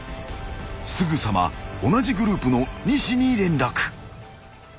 ［すぐさま同じグループの西に連絡］